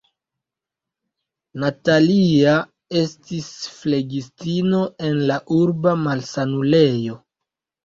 Natalia estis flegistino en la urba malsanulejo.